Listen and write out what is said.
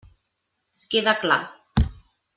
Queda clar.